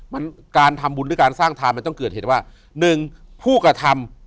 มันการทำบุญหรือการสร้างทานมันต้องเกิดเหตุว่าหนึ่งผู้กระทำ